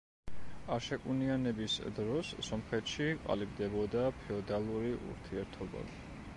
არშაკუნიანების დროს სომხეთში ყალიბდებოდა ფეოდალური ურთიერთობა.